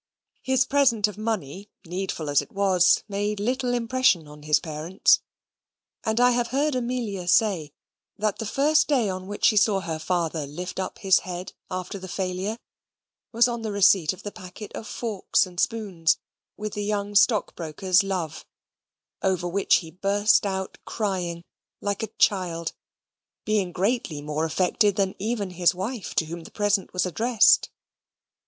His present of money, needful as it was, made little impression on his parents; and I have heard Amelia say that the first day on which she saw her father lift up his head after the failure was on the receipt of the packet of forks and spoons with the young stockbrokers' love, over which he burst out crying like a child, being greatly more affected than even his wife, to whom the present was addressed.